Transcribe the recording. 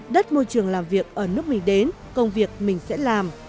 đất môi trường làm việc ở nước mình đến công việc mình sẽ làm